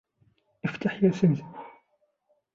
إفتح يا سمسم!